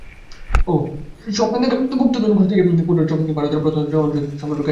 স্বপ্নে দেখা গুপ্তধন খুঁজতে গিয়ে পণ্ডশ্রম হয়েছে ভারতের প্রত্নতত্ত্ব অনুসন্ধানকারী সরকারি সংস্থার।